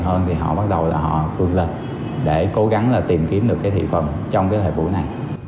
hơn thì họ bắt đầu là họ vượt lên để cố gắng là tìm kiếm được cái thị phần trong cái thời vụ này